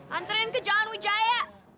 anterin ke jalan wijaya